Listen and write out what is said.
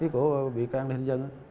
của bị can lê thanh vân